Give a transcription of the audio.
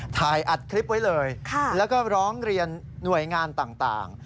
ถ่ายอัดคลิปไว้เลยแล้วก็ร้องเรียนหน่วยงานต่าง